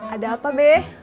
ada apa be